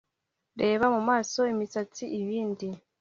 reba mu maso, imisatsi, ibindi